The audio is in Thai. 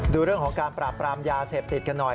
ดูเรื่องของการปราบปรามยาเสพติดกันหน่อย